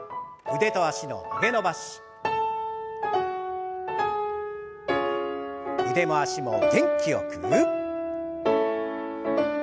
腕も脚も元気よく。